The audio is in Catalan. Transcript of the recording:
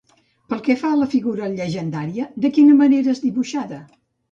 Pel que fa a la figura llegendària, de quina manera és dibuixada?